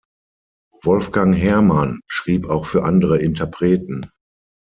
Wolfgang Herrmann schrieb auch für andere Interpreten.